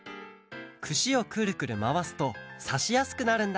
くしをくるくるまわすとさしやすくなるんだ